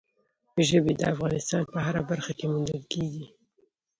ژبې د افغانستان په هره برخه کې موندل کېږي.